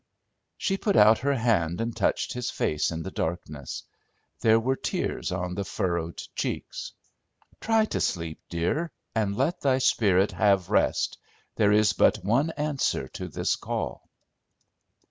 She put out her hand and touched his face in the darkness; there were tears on the furrowed cheeks. "Try to sleep, dear, and let thy spirit have rest. There is but one answer to this call."